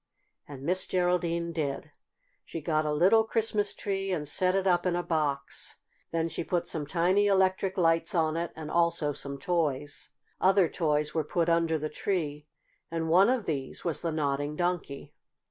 And Miss Geraldine did. She got a little Christmas tree and set it up in a box. Then she put some tiny electric lights on it, and also some toys. Other toys were put under the tree, and one of these was the Nodding Donkey.